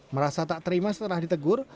merasa tak terima setelah ditegur